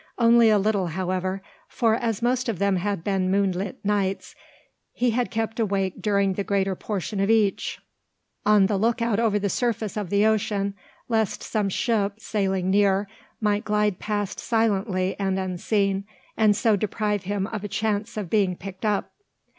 Only a little, however; for, as most of them had been moonlight nights, he had kept awake during the greater portion of each, on the lookout over the surface of the ocean, lest some ship, sailing near, might glide past silently and unseen, and so deprive him of a chance of being picked up.